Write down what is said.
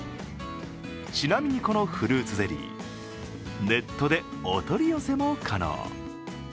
ちなみに、このフルーツゼリー、ネットでお取り寄せも可能。